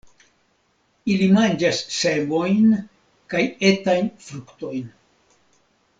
Ili manĝas semojn kaj etajn fruktojn.